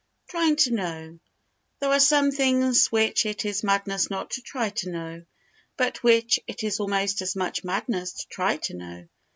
Trying to Know There are some things which it is madness not to try to know but which it is almost as much madness to try to know.